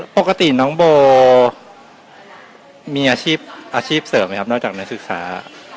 ปกติน้องโบมีอาชีพอาชีพเสริมไหมครับนอกจากนักศึกษา